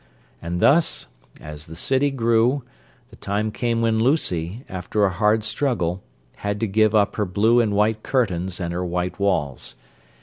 And thus, as the city grew, the time came when Lucy, after a hard struggle, had to give up her blue and white curtains and her white walls.